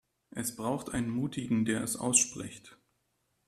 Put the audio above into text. Es braucht einen Mutigen, der es ausspricht.